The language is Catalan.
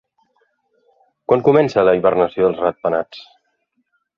Quan comença la hibernació dels ratpenats?